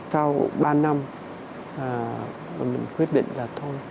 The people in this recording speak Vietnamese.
sau ba năm mình quyết định là thôi